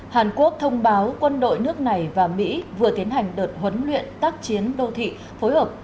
hàn quốc thông báo quân đội nước này và mỹ vừa tiến hành đợt huấn luyện tác chiến đô thị phối hợp